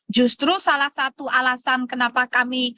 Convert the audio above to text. justru salah satu alasan kenapa kami